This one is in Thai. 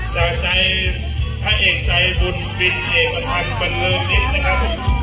จากใจพระเอกใจบุญบินเอกพันธ์บันเลิศนิดนะครับ